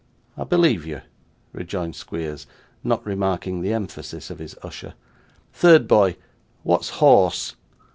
'I believe you,' rejoined Squeers, not remarking the emphasis of his usher. 'Third boy, what's horse?